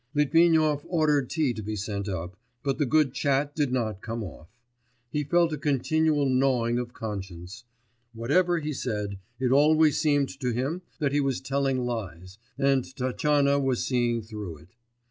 Litvinov ordered tea to be sent up, but the good chat did not come off. He felt a continual gnawing of conscience; whatever he said, it always seemed to him that he was telling lies and Tatyana was seeing through it.